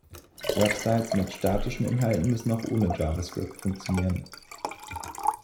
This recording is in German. Websites mit statischen Inhalten müssen auch ohne Javascript funktionieren.